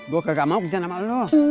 gue gak mau kencan sama lu